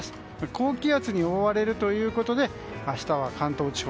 高気圧に覆われるということで明日は関東地方